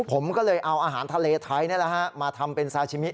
ผมก็เลยเอาอาหารทะเลไทยมาทำเป็นซาชิมิ